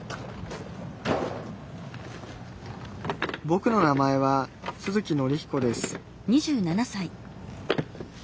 ぼくの名前は都築則彦です